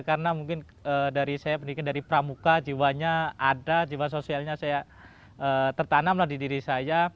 karena mungkin dari saya pendidikan dari pramuka jiwanya ada jiwa sosialnya saya tertanamlah di diri saya